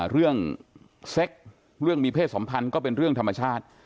เรื่องเซ็กเรื่องมีเพศสัมพันธ์ก็เป็นเรื่องธรรมชาติ